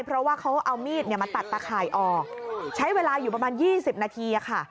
เพราะว่าเขาเอามีดมาตัดตะข่ายออกใช้เวลาอยู่ประมาณ๒๐นาทีค่ะ